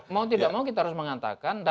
mau tidak mau kita harus mengatakan